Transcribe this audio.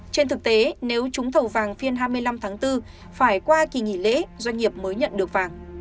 trên thực tế nếu trúng thầu vàng phiên hai mươi năm tháng bốn phải qua kỳ nghỉ lễ doanh nghiệp mới nhận được vàng